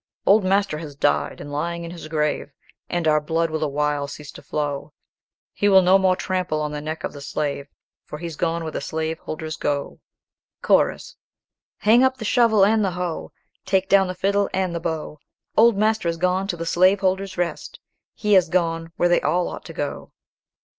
Old master has died, and lying in his grave, And our blood will awhile cease to flow; He will no more trample on the neck of the slave; For he's gone where the slaveholders go. Chorus. "Hang up the shovel and the hoe Take down the fiddle and the bow Old master has gone to the slaveholder's rest; He has gone where they all ought to go.